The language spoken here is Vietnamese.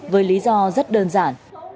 với lý do rất đơn giản